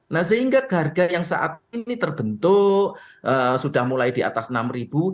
nah sehingga harga yang saat ini terbentuk sudah mulai di atas rp enam